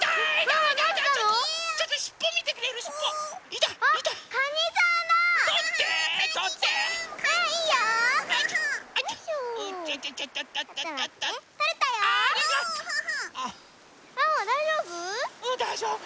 うんだいじょうぶ。